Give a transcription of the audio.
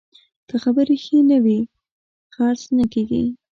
که خبرې ښې نه وي، خرڅ نه کېږي.